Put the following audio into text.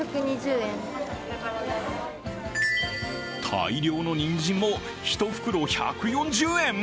大量のにんじんも１袋１４０円？